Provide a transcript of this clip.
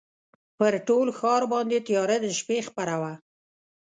پر ټول ښار باندي تیاره د شپې خپره وه